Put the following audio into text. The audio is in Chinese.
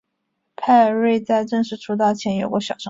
派瑞在正式出道前有过小成功。